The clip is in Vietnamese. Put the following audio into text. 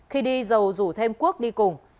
khi đi dầu rủ thêm quốc đi cùng